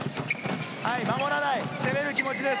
守らない攻める気持ちです。